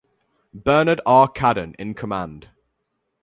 Bernard R. Cadden in command.